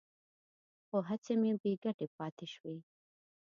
خو هڅې مې بې ګټې پاتې شوې.